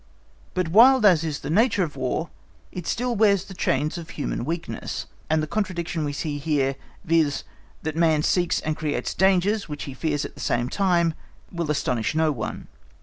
—But wild as is the nature of War it still wears the chains of human weakness, and the contradiction we see here, viz., that man seeks and creates dangers which he fears at the same time will astonish no one.